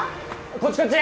こっちこっち！